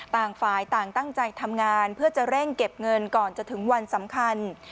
ต่างฝ่ายต่างตั้งใจทำงานเพื่อจะเร่งเก็บเงินก่อนจะถึงวันสำคัญ